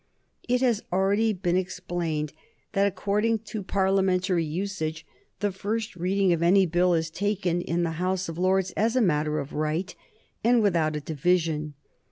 It has already been explained that, according to Parliamentary usage, the first reading of any Bill is taken in the House of Lords as a matter of right and without a division.